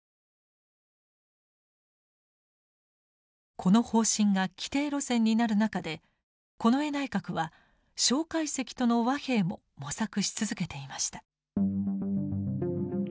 この方針が既定路線になる中で近衛内閣は介石との和平も模索し続けていました。